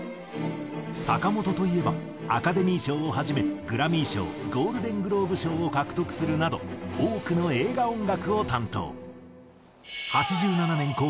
坂本といえばアカデミー賞をはじめグラミー賞ゴールデングローブ賞を獲得するなど多くの映画音楽を担当。